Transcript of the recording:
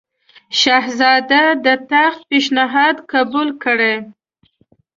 شهزاده د تخت پېشنهاد قبول کړي.